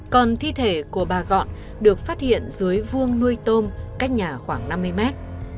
còn thi thể của bà gọn được phát hiện dưới vuông nuôi tôm cách nhà khoảng năm mươi mét